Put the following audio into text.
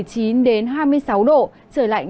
trời lạnh với nền nhiệt